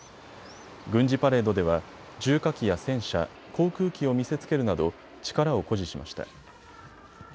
軍事パレードでは重火器や戦車、航空機を見せつけるなど力を誇示しました。